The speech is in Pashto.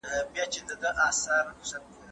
هغه په کتابتون کې پلټنه کوله.